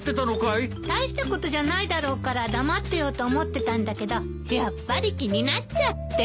大したことじゃないだろうから黙ってようと思ってたんだけどやっぱり気になっちゃって。